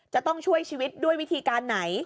จะต้องช่วยชีวิตด้วยวิธีการไหน